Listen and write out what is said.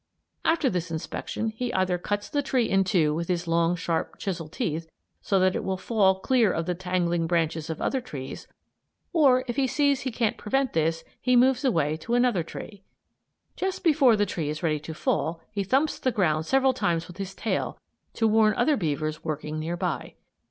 After this inspection he either cuts the tree in two with his long sharp chisel teeth so that it will fall clear of the tangling branches of other trees, or, if he sees he can't prevent this, he moves away to another tree. Just before the tree is ready to fall he thumps the ground several times with his tail to warn other beavers working near by.